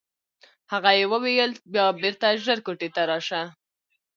هغه یې وویل بیا بېرته ژر کوټې ته راشه.